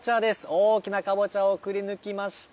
大きなかぼちゃをくり抜きました。